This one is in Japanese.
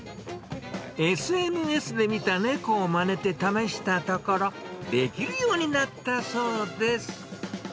ＳＮＳで見た猫をまねて試したところ、できるようになったそうです。